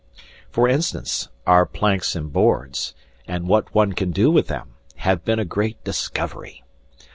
For instance, our planks and boards, and what one can do with them, have been a great discovery.